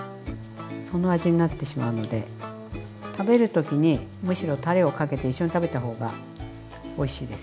その味になってしまうので食べる時にむしろたれをかけて一緒に食べた方がおいしいです。